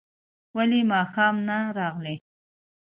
ولي ماښام نه راغلې؟